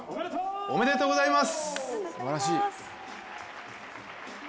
おめでとうございます。